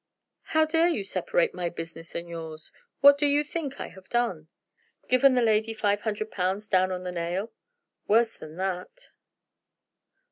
"How dare you separate my business and yours? What do you think I have done?" "Given the young lady five hundred pounds down on the nail." "Worse than that."